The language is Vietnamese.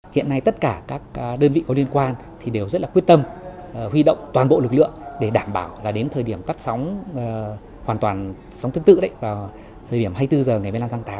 hiện nay tất cả các đơn vị có liên quan thì đều rất là quyết tâm huy động toàn bộ lực lượng để đảm bảo là đến thời điểm tắt sóng hoàn toàn sóng thứ tự đấy vào thời điểm hai mươi bốn h ngày một mươi năm tháng tám